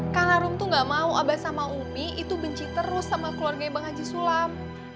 karena romi tuh gak mau abad sama umi itu benci terus sama keluarga bang haji sulawesi